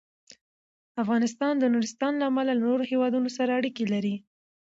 افغانستان د نورستان له امله له نورو هېوادونو سره اړیکې لري.